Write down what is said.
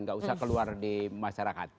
nggak usah keluar di masyarakat